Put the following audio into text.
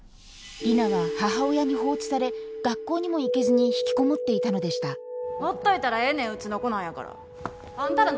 里奈は母親に放置され学校にも行けずに引きこもっていたのでしたほっといたらええねんうちの子なんやから。